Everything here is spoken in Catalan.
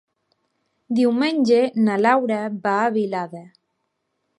Diumenge na Laura va a Vilada.